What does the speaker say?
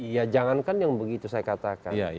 ya jangankan yang begitu saya katakan